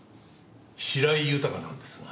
白井豊なんですが。